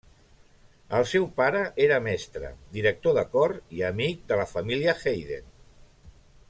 El seu pare era mestre, director de cor i amic de la família Haydn.